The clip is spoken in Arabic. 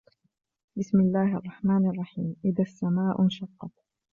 بسم الله الرحمن الرحيم إذا السماء انشقت